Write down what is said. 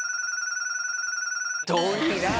遠いな！